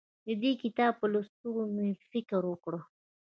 د دې کتاب په لوستو مې فکر وکړ.